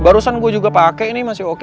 barusan gue juga pakai ini masih oke